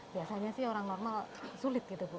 biasanya sih orang normal sulit gitu bu